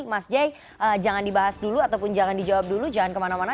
mas jay jangan dibahas dulu ataupun jangan dijawab dulu jangan kemana mana